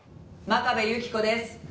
「真壁有希子です」